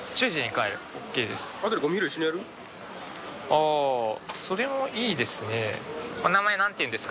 あーそれもいいですね。